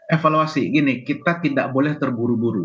evaluasi gini kita tidak boleh terburu buru